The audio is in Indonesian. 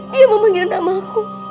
dia memanggil nama aku